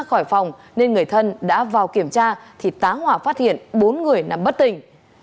khỏi phòng nên người thân đã vào kiểm tra thì tá hỏa phát hiện bốn người nằm bất tỉnh